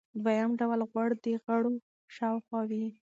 دویم ډول غوړ د غړو شاوخوا وي.